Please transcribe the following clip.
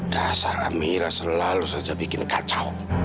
dasar amira selalu saja bikin kacau